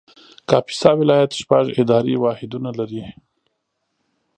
کاپیسا ولایت شپږ اداري واحدونه لري